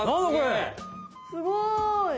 すごい！